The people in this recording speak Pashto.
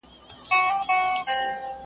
سره جمع به رندان وي ته به یې او زه به نه یم .